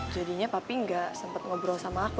jadinya papi gak sempat ngobrol sama aku